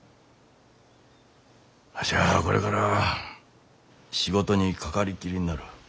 わしゃあこれから仕事にかかりっきりになる。